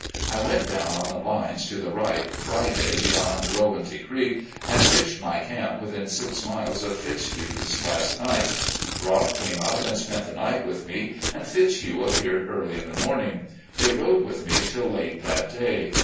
I went down on the lines to the right, Friday, beyond Rowanty Creek, and pitched my camp within six miles of Fitzhugh's last night. Rob came up 140 RECOLLECTIONS OP GENERAL LEE and spent the night with me, and Fitzhugh appeared early in the morning. They rode with me till late that day.